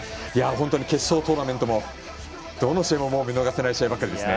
本当に決勝トーナメントもどの試合も見逃せない試合ばかりですね。